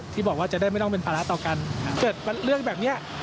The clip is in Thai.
ที่บอกว่าจะได้ไม่ต้องเป็นภาระต่อกันเกิดเรื่องแบบเนี้ย